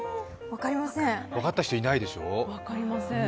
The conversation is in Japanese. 分かった人いないでしょ？